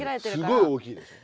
すごい大きいでしょ。